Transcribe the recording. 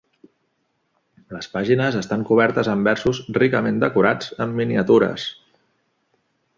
Les pàgines estan cobertes amb versos ricament decorats amb miniatures.